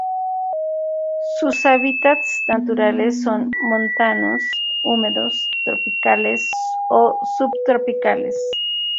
Sus hábitats naturales son montanos húmedos tropicales o subtropicales.